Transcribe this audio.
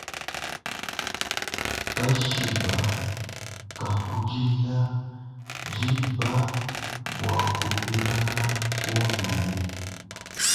Kashiba kakudila diba bwa kupinga kunzubu.